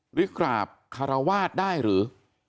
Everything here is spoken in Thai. หรือกราบคารวาสได้หรือ